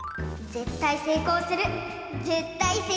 ぜったいせいこうする！